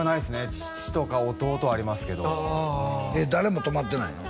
父とか弟はありますけど誰も泊まってないの？